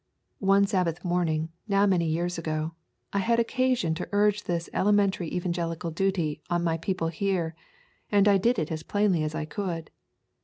One Sabbath morning, now many years ago, I had occasion to urge this elementary evangelical duty on my people here, and I did it as plainly as I could.